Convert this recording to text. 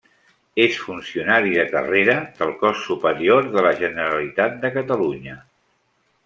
És funcionari de carrera del cos superior de la Generalitat de Catalunya.